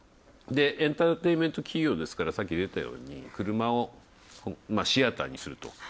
エンターテインメント企業ですから、さっき出たように車をシアターにすると。